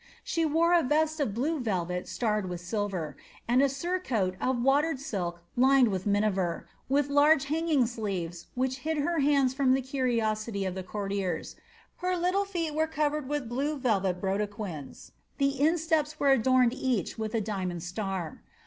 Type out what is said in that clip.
She wore a vest of blue velvet starred witfc and a surcoat of watered silk lined with miniver, with large sleeves which hid her hands from the curiosity of the courtic little feet were covered with blue velvet brodequins, the inste adorned each with a diamond star.